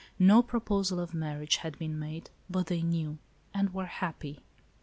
No proposal of marriage had been made; but they knew, and were happy.